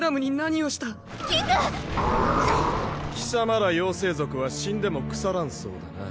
貴様ら妖精族は死んでも腐らんそうだな。